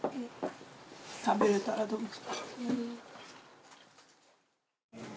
食べられたらどうぞ。